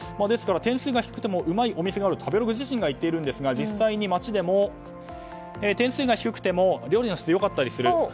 ですから点数が低くてもうまいお店があると食べログ自身が言ってるんですが実際に、街でも点数が低くても料理の質が良かったりする。